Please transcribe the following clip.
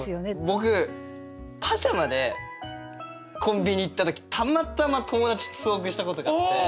僕パジャマでコンビニ行った時たまたま友達と遭遇したことがあって。